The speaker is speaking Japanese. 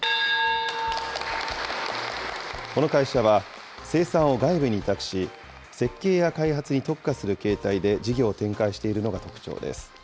この会社は生産を外部に委託し、設計や開発に特化する形態で事業を展開しているのが特徴です。